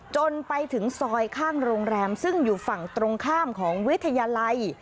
จนไปถึงซอยข้างโรงแรมซึ่งอยู่ฝั่งตรงข้ามของวิทยาลัย